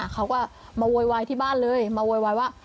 เขาก็มาโวยวายที่บ้านเลยมาโวยวายว่า